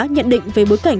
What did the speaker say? nhận định về bối cảnh